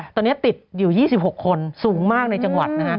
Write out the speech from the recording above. ตอนนี้ติดอยู่๒๖คนสูงมากในจังหวัดนะฮะ